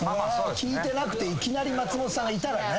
聞いてなくていきなり松本さんがいたらね。